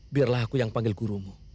biarlah aku yang panggil gurumu